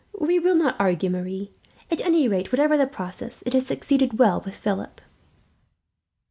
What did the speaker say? "We will not argue, Marie. At any rate, whatever the process, it has succeeded well with Philip."